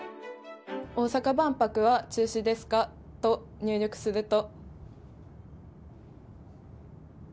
大阪万博は中止ですか？と入力すると。